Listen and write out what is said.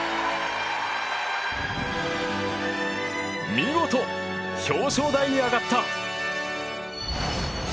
見事、表彰台に上がった。